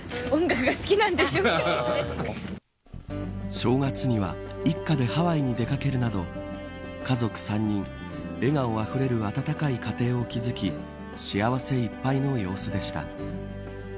正月には一家でハワイに出掛けるなど家族３人笑顔あふれる温かい家庭を築き幸せいっぱいの様子でした。